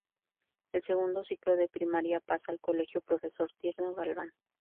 El Segundo Ciclo de Primaria pasa al colegio "Profesor Tierno Galván".